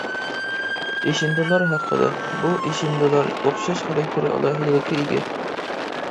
«ئېشىندىلار» ھەققىدە بۇ «ئېشىندىلار» ئوخشاش خاراكتېر ئالاھىدىلىكىگە ئىگە.